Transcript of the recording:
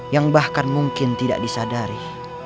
yang bahkan mungkin tidak disadari